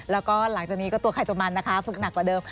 แล้วก็หลังจากนี้ก็ตัวใครตัวมันนะคะฝึกหนักกว่าเดิม